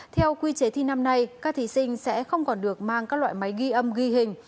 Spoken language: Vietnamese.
theo quy chế thi năm nay các thí sinh sẽ không còn được mang các loại máy ghi âm ghi hình